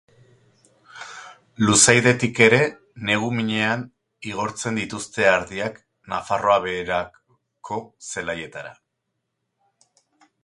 Luzaidetik ere negu minean igortzen dituzte ardiak Nafarroa Behereko zelaietara.